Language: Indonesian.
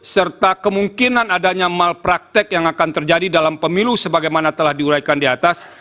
serta kemungkinan adanya malpraktek yang akan terjadi dalam pemilu sebagaimana telah diuraikan di atas